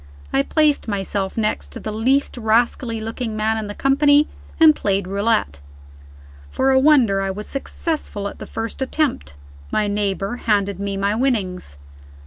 I placed myself next to the least rascally looking man in the company, and played roulette. For a wonder, I was successful at the first attempt. My neighbor handed me my winnings.